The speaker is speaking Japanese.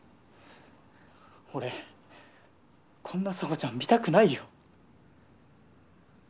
俺こんな沙帆ちゃん見たくないよ。